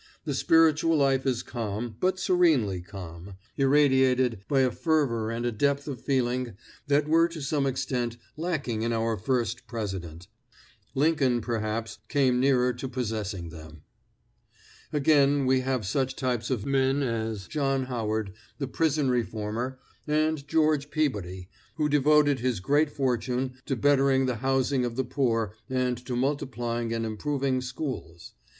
The spiritual life is calm, but serenely calm; irradiated by a fervor and a depth of feeling that were to some extent lacking in our first president. Lincoln, perhaps, came nearer to possessing them. Again, we have such types of men as John Howard, the prison reformer, and George Peabody, who devoted his great fortune to bettering the housing of the poor and to multiplying and improving schools.